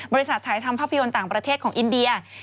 ถ่ายทำภาพยนตร์ต่างประเทศของอินเดีย